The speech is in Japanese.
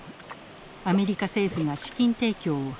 アメリカ政府が資金提供を発表